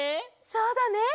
そうだね。